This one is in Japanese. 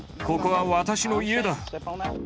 ここは私の家だ。